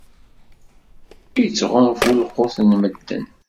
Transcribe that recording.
Ittɣunfu lqut n medden.